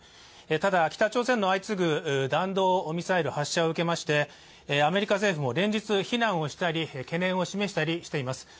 ただ、北朝鮮の相次ぐ弾道ミサイル発射を受けまして、アメリカ政府も連日非難を示したり、懸念を示したりしています。